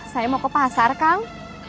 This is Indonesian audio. saya mau ke pasar kang